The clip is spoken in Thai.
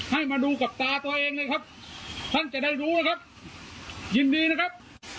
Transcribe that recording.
ให้มาดูกับตาตัวเองเลยครับท่านจะได้รู้นะครับยินดีนะครับ